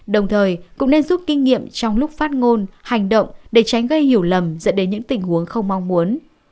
đồng thời cũng nên giúp kinh nghiệm trong lúc phát ngôn hành động để tránh gây hiểu lầm dẫn đến những tình huống không mong muốn